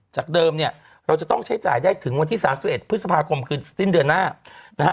จากเดิมเนี่ยเราจะต้องใช้จ่ายได้ถึงวันที่๓๑พฤษภาคมคือสิ้นเดือนหน้านะฮะ